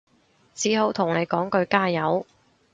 只好同你講句加油